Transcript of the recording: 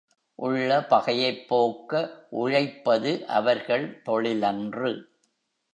உள்ள பகையைப் போக்க உழைப்பது அவர்கள் தொழிலன்று.